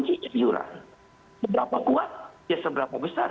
seberapa kuat ya seberapa besar